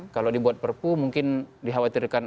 kalau dibuat perpu mungkin dikhawatirkan